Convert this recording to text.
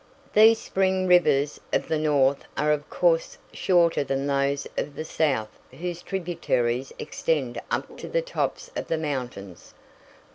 These spring rivers of the north are of course shorter than those of the south whose tributaries extend up to the tops of the mountains.